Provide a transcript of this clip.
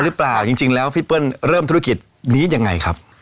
จริงแล้วพี่เปิ้ลเริ่มธุรกิจนี้ยังไงครับ